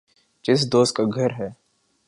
جس دوست کا گھر ہے